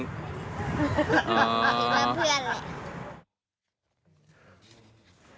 คิดว่าเพื่อนเลย